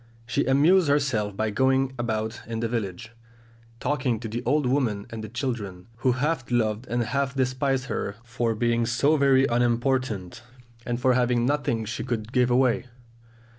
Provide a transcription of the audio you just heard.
She amused herself by going about in the village, talking to the old women and the children, who half loved and half despised her for being so very unimportant, and for having nothing she could give away.